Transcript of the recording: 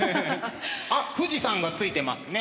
あっ富士山がついてますね。